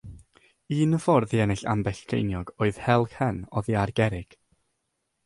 Un ffordd i ennill ambell geiniog oedd hel cen oddi ar gerrig.